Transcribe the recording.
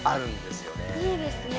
いいですね。